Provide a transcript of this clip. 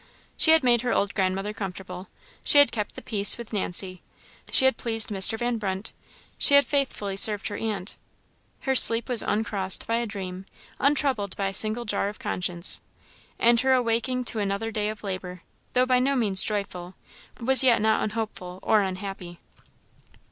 She had made her old grandmother comfortable; she had kept the peace with Nancy; she had pleased Mr. Van Brunt; she had faithfully served her aunt. Her sleep was uncrossed by a dream, untroubled by a single jar of conscience. And her awaking to another day of labour, though by no means joyful, was yet not unhopeful or unhappy.